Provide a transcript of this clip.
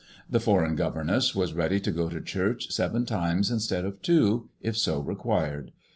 The foreign governess was ready to go to church seven times instead of two, if so re quired.